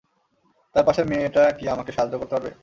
তার পাশের মেয়েটা কি আমাকে সাহায্য করতে পারবে?